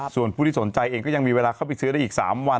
ส่วนผู้ที่สนใจเองก็ยังมีเวลาเข้าไปซื้อได้อีก๓วัน